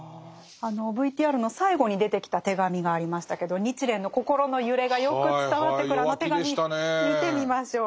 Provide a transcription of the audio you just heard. ＶＴＲの最後に出てきた手紙がありましたけど日蓮の心の揺れがよく伝わってくるあの手紙見てみましょう。